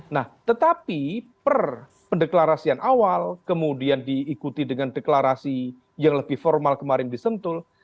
nah tetapi per pendeklarasian awal kemudian diikuti dengan deklarasi yang lebih formal kemarin di sentul